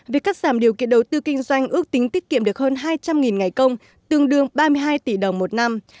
việc cắt giảm điều kiện đầu tư kinh doanh ước tính tiết kiệm được hơn hai trăm linh ngày công tương đương ba mươi hai tỷ đồng một năm